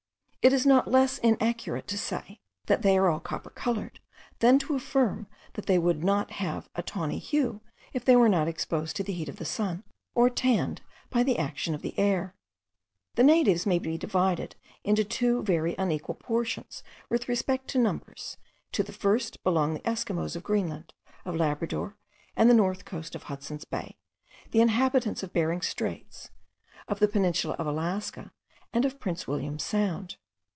It is not less inaccurate to say, that they are all copper coloured, than to affirm that they would not have a tawny hue, if they were not exposed to the heat of the sun, or tanned by the action of the air. The natives may be divided into two very unequal portions with respect to numbers; to the first belong the Esquimaux of Greenland, of Labrador, and the northern coast of Hudson's Bay, the inhabitants of Behring's Straits, of the peninsula of Alaska, and of Prince William's Sound.